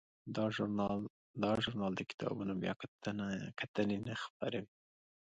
دا ژورنال د کتابونو بیاکتنې نه خپروي.